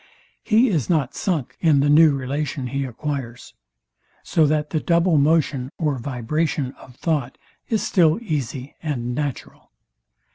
He is not sunk in the new relation he acquires; so that the double motion or vibration of thought is still easy and natural.